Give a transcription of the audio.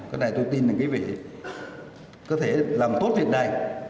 cái này tôi tin là quý vị có thể làm tốt việc này